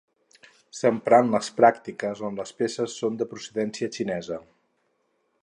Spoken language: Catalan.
S'empra en les pràctiques on les peces són de procedència xinesa.